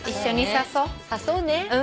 差そうね。